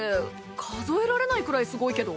数えられないくらいすごいけど？